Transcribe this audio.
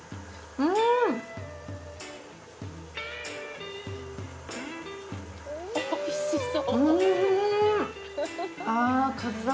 うわ、おいしそう。